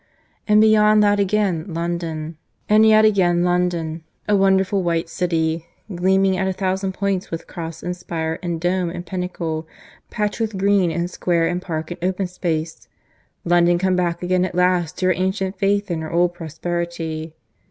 And beyond that again London; and yet again London, a wonderful white city, gleaming at a thousand points with cross and spire and dome and pinnacle, patched with green in square and park and open space London come back again at last to her ancient faith and her old prosperity.